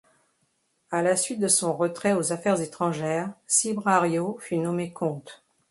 À la suite de son retrait aux affaires étrangères, Cibrario fut nommé comte.